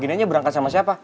ginanya berangkat sama siapa